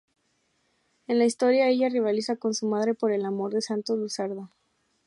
En la historia, ella rivaliza con su madre por el amor de Santos Luzardo.